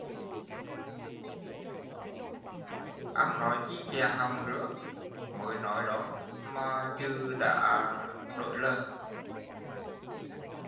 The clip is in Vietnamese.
Ăn nói chi chẹn họng rứa, mới nói đó mà chừ đã đổi lời